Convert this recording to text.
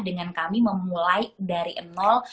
dengan kami memulai dari nol